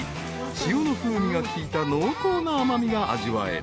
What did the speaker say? ［潮の風味が効いた濃厚な甘味が味わえる］